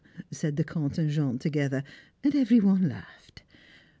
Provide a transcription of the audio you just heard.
said the Comte and Jean together, and every one laughed.